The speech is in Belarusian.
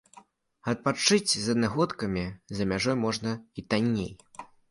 Адпачыць з аднагодкамі за мяжой можна і танней.